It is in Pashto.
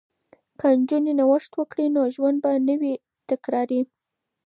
که نجونې نوښت وکړي نو ژوند به نه وي تکراري.